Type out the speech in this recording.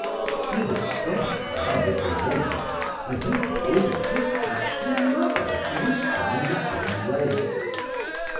—He had scarce done with the woman, when he pull'd off his hat to another who was coming the same way.